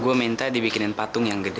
gue minta dibikinin patung yang gede